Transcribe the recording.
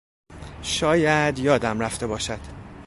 شاید یادم رفته باشد.